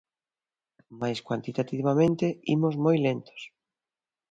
Mais cuantitativamente imos moi lentos.